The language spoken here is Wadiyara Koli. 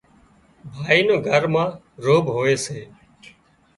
ڀائي نو گھر ما روڀ هوئي سي